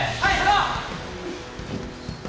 はい。